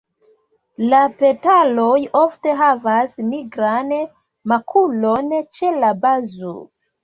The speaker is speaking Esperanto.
La petaloj ofte havas nigran makulon ĉe la bazo.